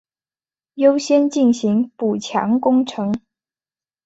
优先进行补强工程